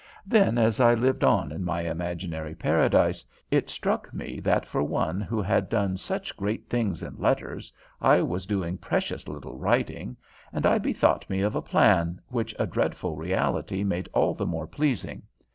Then, as I lived on in my imaginary paradise, it struck me that for one who had done such great things in letters I was doing precious little writing, and I bethought me of a plan which a dreadful reality made all the more pleasing.